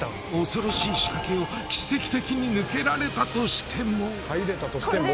恐ろしい仕掛けを奇跡的に抜けられたとしてもうそっ！